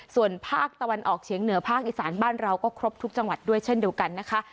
ส่วนภาคตะวันออกเฉียงเหนือภาคอีสานบ้านเราก็ครบทุกจังหวัดด้วยเช่นเดียวกันนะคะ